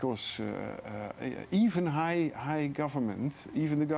karena bahkan pemerintah tinggi